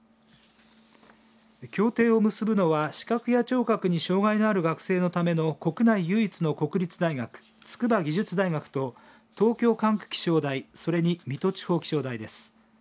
協定を結ぶのは視覚や聴覚に障害がある学生のための国内唯一の国立大学筑波技術大学と東京管区気象台それに、水戸地方気象台です。